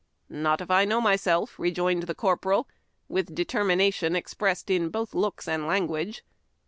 "Not if I know myself," rejoined the corporal, with determination expressed in both looks and language.